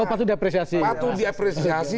oh patut diapresiasi patut diapresiasi